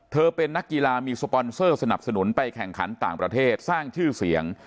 เป็นนักกีฬามีสปอนเซอร์สนับสนุนไปแข่งขันต่างประเทศสร้างชื่อเสียง